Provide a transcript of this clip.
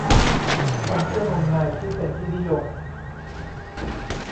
ความเชื่องมงายที่เป็นที่นิยม